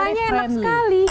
aromanya enak sekali